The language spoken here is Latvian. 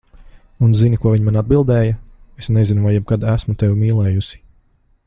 Un zini, ko viņa man atbildēja, "Es nezinu, vai jebkad esmu tevi mīlējusi."